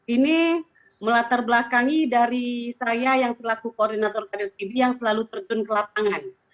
ini melatar belakangi dari saya yang selaku koordinator karir tb yang selalu terjun ke lapangan